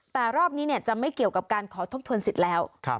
แต่รอบนี้จะไม่เกี่ยวกับการขอทบทวนสิทธิ์แล้ว